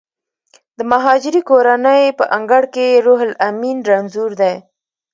د مهاجرې کورنۍ په انګړ کې روح لامین رنځور دی